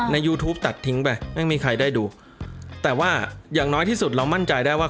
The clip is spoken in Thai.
ยูทูปตัดทิ้งไปไม่มีใครได้ดูแต่ว่าอย่างน้อยที่สุดเรามั่นใจได้ว่า